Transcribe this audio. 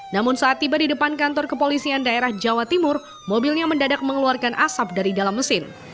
namun saat tiba di depan kantor kepolisian daerah jawa timur mobilnya mendadak mengeluarkan asap dari dalam mesin